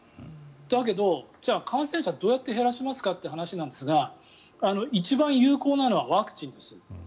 だけど、じゃあ感染者をどうやって減らしますかって話なんですが一番有効なのはワクチンです。